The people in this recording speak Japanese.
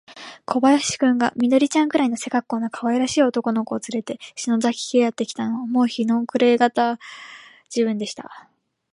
小林君が、緑ちゃんくらいの背かっこうのかわいらしい男の子をつれて、篠崎家へやってきたのは、もう日の暮れがた時分でした。